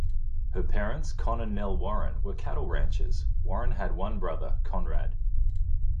Her parents, Con and Nell Warren, were cattle ranchers; Warren had one brother, Conrad.